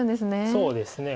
そうですね。